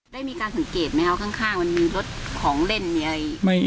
ได้มีการสังเกตไหมครับข้างมันมีรถของเล่นมีอะไร